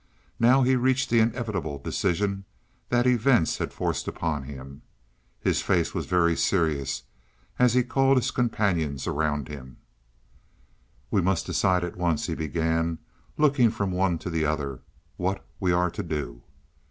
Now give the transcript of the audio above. Now he reached the inevitable decision that events had forced upon him. His face was very serious as he called his companions around him. "We must decide at once," he began, looking from one to the other, "what we are to do.